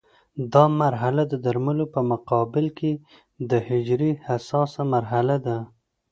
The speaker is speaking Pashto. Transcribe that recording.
دا مرحله د درملو په مقابل کې د حجرې حساسه مرحله ده.